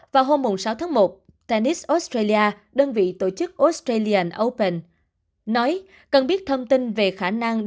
vào hôm sáu tháng một tennis australia đơn vị tổ chức australia open nói cần biết thông tin về khả năng